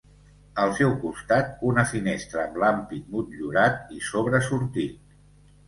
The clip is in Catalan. Al seu costat, una finestra amb l'ampit motllurat i sobresortit.